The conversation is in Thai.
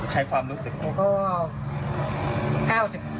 ใช้ความรู้สึก